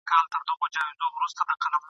حق څوک نه سي اخیستلای په زاریو !.